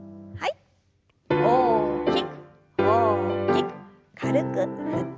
大きく大きく軽く振って。